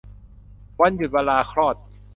วันหยุด วันลาคลอด